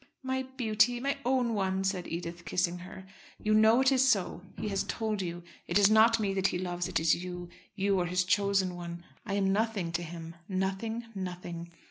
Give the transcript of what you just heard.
"My beauty, my own one," said Edith, kissing her. "You know it is so. He has told you. It is not me that he loves; it is you. You are his chosen one. I am nothing to him, nothing, nothing."